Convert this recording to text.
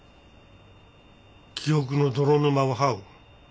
記憶の泥沼をはう。